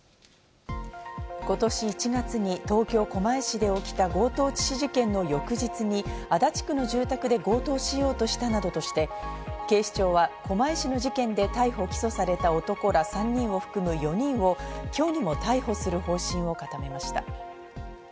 今年１月に東京・狛江市で起きた強盗致死事件の翌日に、足立区の住宅で強盗しようとしたなどとして、警視庁は狛江市の事件で逮捕・起訴された男ら３人を含む４人を今日にも逮捕する方針を固めました。